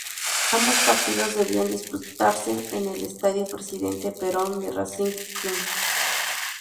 Ambos partidos debían disputarse en el Estadio Presidente Perón, de Racing Club.